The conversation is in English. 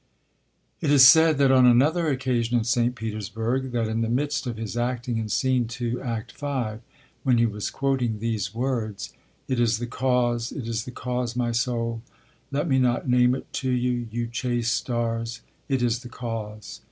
It is said that on another occasion in St. Petersburg, that in the midst of his acting in scene two, act five, when he was quoting these words, "It is the cause, it is the cause, my soul; Let me not name it to you, you chaste stars! It is the cause.